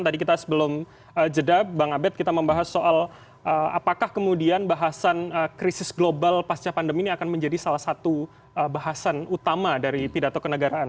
tadi kita sebelum jeda bang abed kita membahas soal apakah kemudian bahasan krisis global pasca pandemi ini akan menjadi salah satu bahasan utama dari pidato kenegaraan